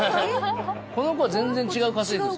この子は全然違う家政婦。